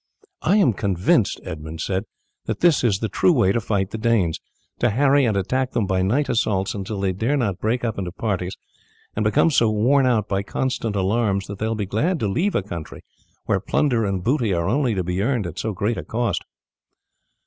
"I am convinced," Edmund said, "that this is the true way to fight the Danes, to harry and attack them by night assaults until they dare not break up into parties, and become so worn out by constant alarms that they will be glad to leave a country where plunder and booty are only to be earned at so great a cost."